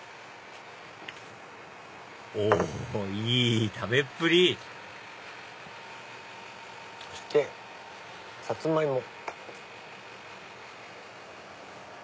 いい食べっぷりそしてサツマイモ。